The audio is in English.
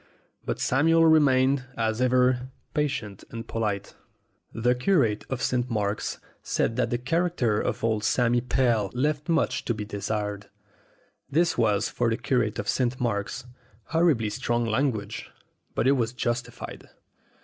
But Samuel remained, as ever, patient and polite. The curate of St. Mark's said that the character of old Sammy Pell left much to be desired. This was, for the curate of St. Mark's, horribly strong language ; but it was justified.